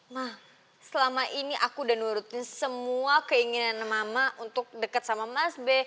mah selama ini aku udah nurutin semua keinginan mama untuk dekat sama mas b